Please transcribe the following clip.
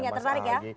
jadi gak tertarik ya